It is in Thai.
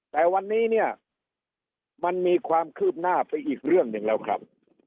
แต่วันนี้เนี่ยมันมีความคืบหน้าไปอีกเรื่องหนึ่งแล้วครับ